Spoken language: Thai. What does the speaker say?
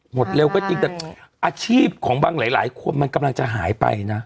หมดเร็วก็จริงแต่อาชีพของบางหลายคนมันกำลังจะหายไปนะ